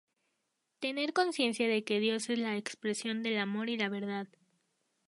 Tener conciencia de que Dios es la expresión del amor y la verdad.